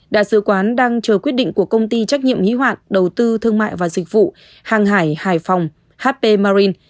đại sứ quán đang chờ quyết định của công ty trách nhiệm hí hoạn đầu tư thương mại và dịch vụ hàng hải hải phòng hp marine